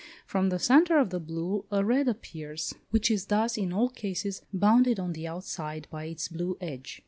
From the centre of the blue a red appears, which is thus, in all cases, bounded on the outside by its blue edge.